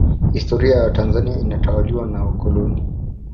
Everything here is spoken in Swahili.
historia ya tanzania inatawaliwa na wakoloni